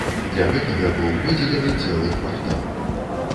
Для гэтага быў выдзелены цэлы квартал.